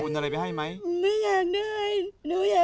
หนูอยากให้ดูแลแม่แทนหนู